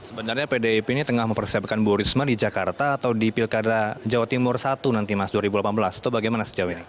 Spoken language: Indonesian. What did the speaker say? sebenarnya pdip ini tengah mempersiapkan bu risma di jakarta atau di pilkada jawa timur satu nanti mas dua ribu delapan belas atau bagaimana sejauh ini